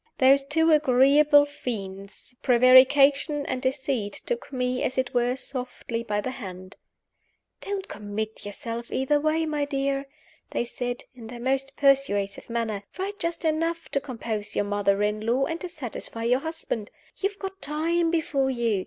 Those two agreeable fiends, Prevarication and Deceit, took me, as it were, softly by the hand: "Don't commit yourself either way, my dear," they said, in their most persuasive manner. "Write just enough to compose your mother in law and to satisfy your husband. You have got time before you.